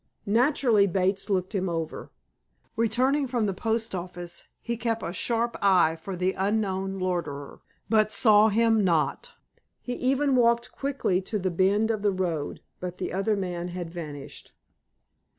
Naturally, Bates looked him over. Returning from the post office, he kept a sharp eye for the unknown loiterer, but saw him not. He even walked quickly to the bend of the road, but the other man had vanished.